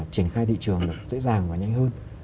chỉnh khai thị trường dễ dàng và nhanh hơn